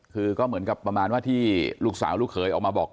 คือก็เหมือนกับประมาณว่าที่ลูกสาวลูกเขยออกมาบอก